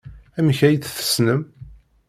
Amek ay tt-tessnem?